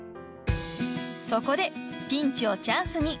［そこでピンチをチャンスに］